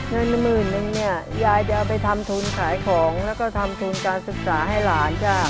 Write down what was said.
ในนำมืออีกหนึ่งยายจะเอาไปทำทุนขายของและทำทุนการศึกษาให้หลาน